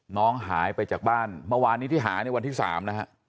น้องหายไปจากบ้านเมื่อวานนี้ที่หาในวันที่๓นะฮะ